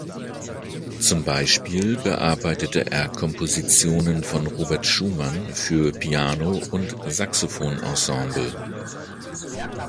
Zum Beispiel bearbeitete er Kompositionen von Robert Schumann für Piano und Saxophon-Ensemble.